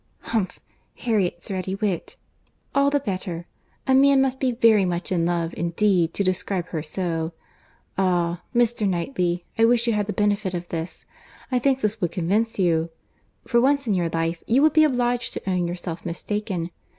Humph—Harriet's ready wit! All the better. A man must be very much in love, indeed, to describe her so. Ah! Mr. Knightley, I wish you had the benefit of this; I think this would convince you. For once in your life you would be obliged to own yourself mistaken.